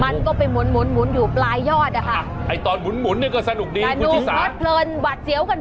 มันก็ไปหมุนอยู่ปลายยอดนะคะ